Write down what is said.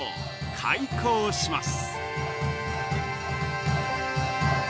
開校します。